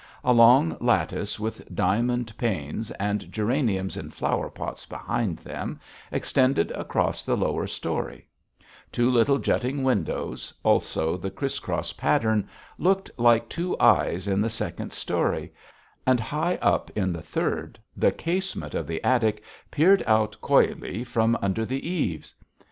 A long lattice with diamond panes, and geraniums in flower pots behind them, extended across the lower storey; two little jutting windows, also of the criss cross pattern, looked like two eyes in the second storey; and high up in the third, the casement of the attic peered out coyly from under the eaves.